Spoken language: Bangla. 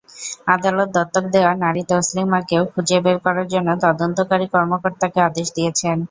আদালত দত্তক দেওয়া নারী তাসলিমাকেও খুঁজে বের করার জন্য তদন্তকারী কর্মকর্তাকে আদেশ দিয়েছেন।